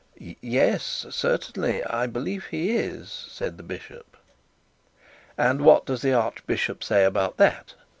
'Yes, certainly, I believe he is,' said the bishop. 'And what does the archbishop say about that?'